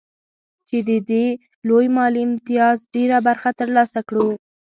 چې د دې لوی مالي امتياز ډېره برخه ترلاسه کړو